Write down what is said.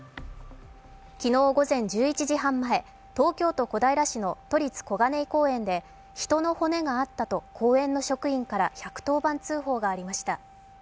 昨日午前１１時半前、東京都小平市の都立小金井公園で人の骨があったと公園の職員から１１０番通報がありました。